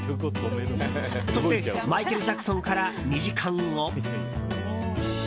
そしてマイケル・ジャクソンから２時間後。